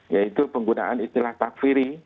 yaitu penggunaan istilah takfiri